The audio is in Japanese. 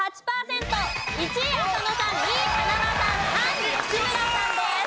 １位浅野さん２位塙さん３位吉村さんです。